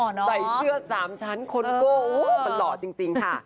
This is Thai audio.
หล่อเนอะใส่เสื้อสามชั้นคนโกโอ้โหมันหล่อจริงค่ะ